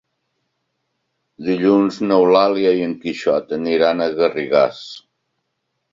Dilluns n'Eulàlia i en Quixot aniran a Garrigàs.